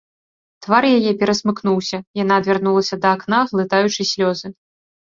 Твар яе перасмыкнуўся, яна адвярнулася да акна, глытаючы слёзы.